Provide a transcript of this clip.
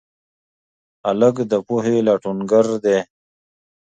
هلک د پوهې لټونګر دی.